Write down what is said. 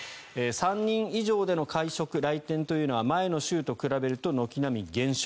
３人以上での会食、来店というのは前の週と比べると軒並み減少。